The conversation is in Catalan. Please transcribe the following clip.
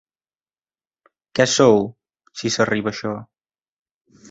Què sou, si s'arriba a això?